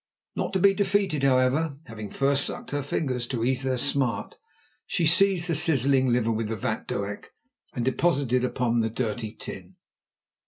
Not to be defeated, however, having first sucked her fingers to ease their smart, she seized the sizzling liver with the vatdoek and deposited it upon the dirty tin.